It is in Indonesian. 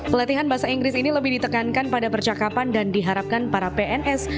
pelatihan bahasa inggris ini lebih ditekankan pada percakapan dan diharapkan para pns